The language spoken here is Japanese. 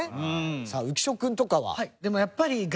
さあ浮所君とかは？